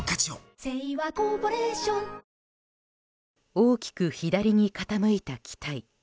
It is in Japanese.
大きく左に傾いた機体。